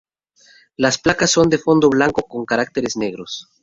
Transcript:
Las placas son de fondo blanco con caracteres negros.